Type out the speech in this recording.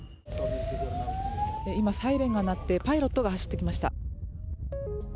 今サイレンが鳴ってパイロットが走ってきました。